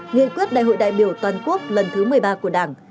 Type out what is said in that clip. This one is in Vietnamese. nghị quyết đại hội đại biểu toàn quốc lần thứ một mươi ba của đảng